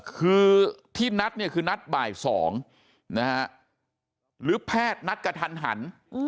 คือที่นัดเนี่ยคือนัดบ่าย๒นะฮะหรือแพทย์นัดกระทันหัน